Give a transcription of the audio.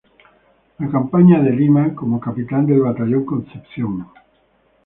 La Campaña de Lima Como Capitán del Batallón Concepción.